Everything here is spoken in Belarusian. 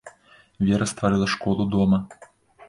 Вера стварыла школу дома.